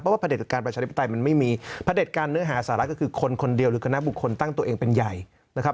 ประเด็จการประชาธิปไตยมันไม่มีพระเด็จการเนื้อหาสาระก็คือคนคนเดียวหรือคณะบุคคลตั้งตัวเองเป็นใหญ่นะครับ